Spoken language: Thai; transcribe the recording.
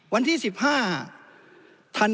คงจำได้ครับ